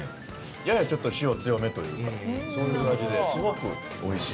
◆ややちょっと塩強めというか、そういう味で、すごくおいしい。